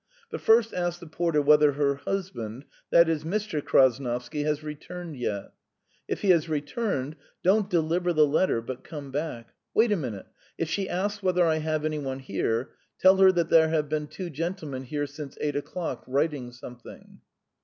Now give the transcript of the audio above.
But first ask the porter whether her husband that is, Mr. Krasnovsky has returned yet. If he has returned, don't deliver the letter, but come back. Wait a minute! ... If she asks whether I have any one here, tell her that there have been two gentlemen here since eight o'clock, writing something."